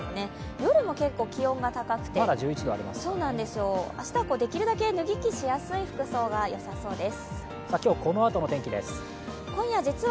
夜も気温が高くて、明日はできるだけ脱ぎ着しやすい服装がよさそうです。